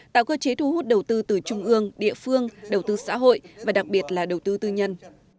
tạo cơ chế thu hút đầu tư từ trung ương địa phương đầu tư xã hội và đặc biệt là đầu tư tư nhân